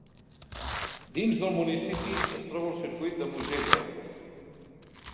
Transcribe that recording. Dins del municipi es troba el circuit de Mugello.